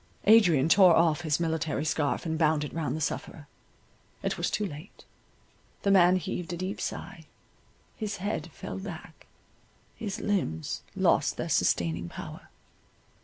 Adrian tore off his military scarf and bound it round the sufferer—it was too late—the man heaved a deep sigh, his head fell back, his limbs lost their sustaining power.